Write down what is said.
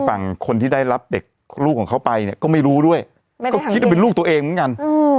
ฝั่งคนที่ได้รับเด็กลูกของเขาไปเนี่ยก็ไม่รู้ด้วยก็คิดว่าเป็นลูกตัวเองเหมือนกัน